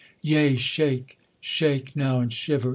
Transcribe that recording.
Yea, shake! shake now and shiver!